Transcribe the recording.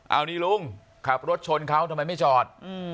เอานี่ลุงขับรถชนเขาทำไมไม่จอด